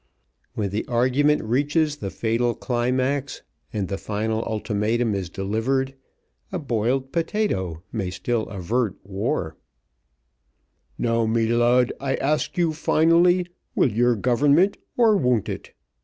When the argument reaches the fatal climax, and the final ultimatum is delivered, a boiled potato may still avert war: "Now, me lud, I ask you finally, will your government, or won't it?